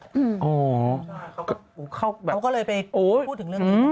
เขาก็เลยไปพูดถึงเรื่องนี้